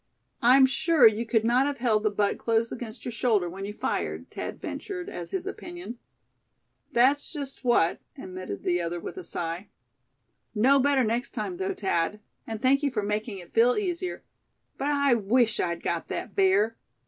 "I'm sure you could not have held the butt close against your shoulder when you fired," Thad ventured, as his opinion. "That's just what," admitted the other, with a sigh. "Know better next time, though, Thad; and thank you for making it feel easier. But I wish I'd got that bear.